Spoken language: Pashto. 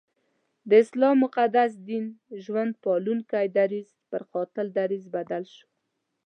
د اسلام مقدس دین ژوند پالونکی درځ پر قاتل دریځ بدل شو.